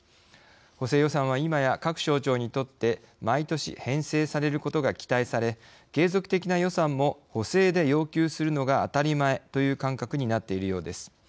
補正予算はいまや各省庁にとって毎年、編成されることが期待され継続的な予算も補正で要求するのが当たり前という感覚になっているようです。